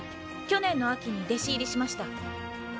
去年の秋に弟子入りしました。